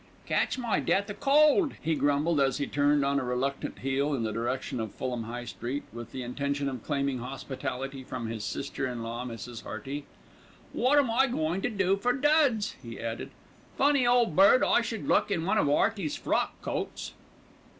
"Catch my death o' cold," he grumbled, as he turned on a reluctant heel in the direction of Fulham High Street, with the intention of claiming hospitality from his sister in law, Mrs. Hearty. "Wot am I goin' to do for duds," he added. "Funny ole bird I should look in one of 'Earty's frock coats."